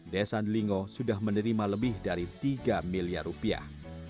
desa andelingo sudah menerima lebih dari tiga miliar rupiah